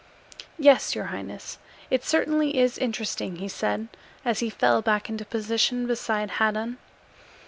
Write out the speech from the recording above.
"Yes, your highness, it certainly is interesting," he said, as he fell back into position beside Haddan.